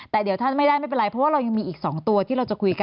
แต่เดี๋ยวถ้าไม่ได้ไม่เป็นไรเพราะว่าเรายังมีอีก๒ตัวที่เราจะคุยกัน